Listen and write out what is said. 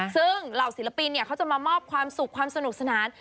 ซึ่งเหล่าศิลปินเขาจะมามอบความสุขความสนุกสนาน